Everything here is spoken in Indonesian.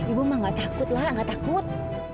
ibu mah gak takut lah nggak takut